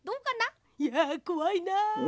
いやこわいな。